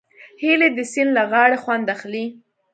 هیلۍ د سیند له غاړې خوند اخلي